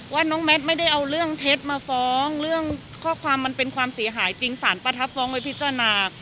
ว่าน้องแมทไม่ได้เอาเรื่องเท็จมาฟ้องเรื่องข้อความมันเป็นความเสียหายจริงสารประทับฟ้องไว้พิจารณา